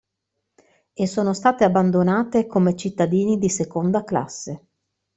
E sono state abbandonate come cittadini di seconda classe.